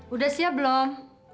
udah siap belum